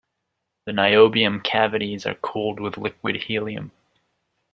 The niobium cavities are cooled with liquid helium.